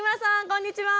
こんにちは。